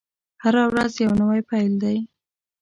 هره ورځ يو نوی پيل دی.